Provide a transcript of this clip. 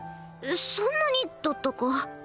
そんなにだったか？